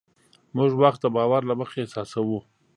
موږ وخت د باور له مخې احساسوو.